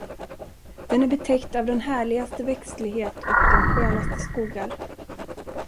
Den är betäckt av den härligaste växtlighet och de skönaste skogar.